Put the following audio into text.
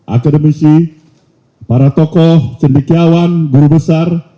akademisi para tokoh cendikiawan guru besar